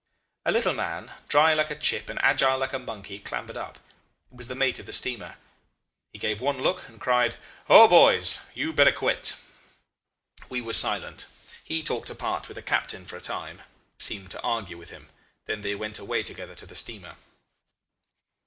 "A little man, dry like a chip and agile like a monkey, clambered up. It was the mate of the steamer. He gave one look, and cried, 'O boys you had better quit.' "We were silent. He talked apart with the captain for a time, seemed to argue with him. Then they went away together to the steamer.